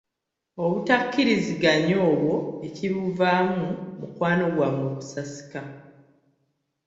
Obutakkiriziganya obwo, ekibuvaamu, mukwano gwammwe kusasika.